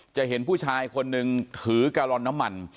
จะเห็นผู้ชายคนหนึ่งถือกาลอนน้ำมัน